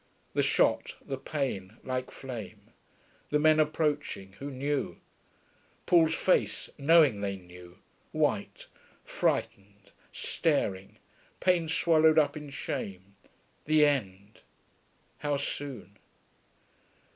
The shot, the pain, like flame ... the men approaching, who knew.... Paul's face, knowing they knew ... white, frightened, staring, pain swallowed up in shame ... the end ... how soon?